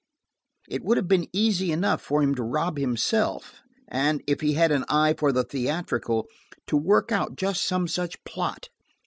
It would have been easy enough for him to rob himself, and, if he had an eye for the theatrical, to work out just some such plot.